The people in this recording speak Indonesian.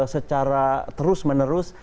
secara terus menerus